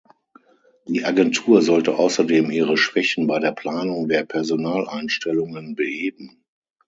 Die Agentur sollte außerdem ihre Schwächen bei der Planung der Personaleinstellungen beheben.